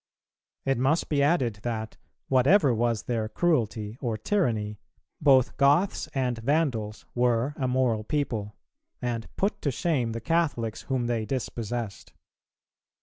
It must be added that, whatever was their cruelty or tyranny, both Goths and Vandals were a moral people, and put to shame the Catholics whom they dispossessed.